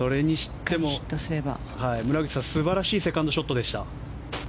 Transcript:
村口さん、素晴らしいセカンドショットでした。